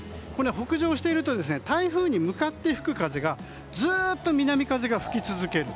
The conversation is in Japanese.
北上していると台風に向かって吹く風ずっと南風が吹き続ける。